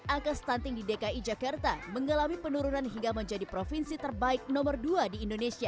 angka stunting di dki jakarta mengalami penurunan hingga menjadi provinsi terbaik nomor dua di indonesia